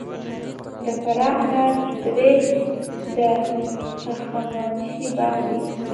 د فراه انار درې د هخامنشي باغ دی